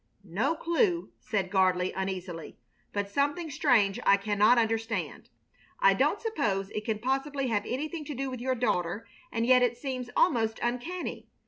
"No clue," said Gardley, uneasily, "but something strange I cannot understand. I don't suppose it can possibly have anything to do with your daughter, and yet it seems almost uncanny.